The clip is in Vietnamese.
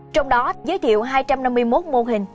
trong đó giới thiệu hai trăm năm mươi một mô hình